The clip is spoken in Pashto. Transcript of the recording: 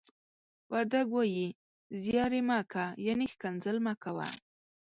وردگ وايي: "زيَړِ مَ کَ." يعنې ښکنځل مه کوه.